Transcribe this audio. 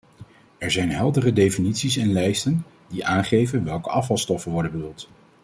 Er zijn heldere definities en lijsten, die aangeven welke afvalstoffen worden bedoeld.